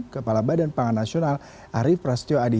kepala badan pangan nasional arief prasetyo adi